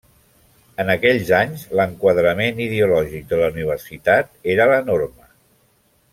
En aquells anys l'enquadrament ideològic de la Universitat era la norma.